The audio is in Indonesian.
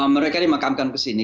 mereka dimakamkan di sini